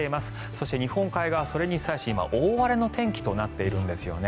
そして、日本海側はそれに際し今、大荒れの天気となっているんですよね。